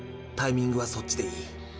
タイミングはそっちでいい。